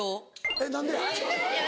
えっ何でや？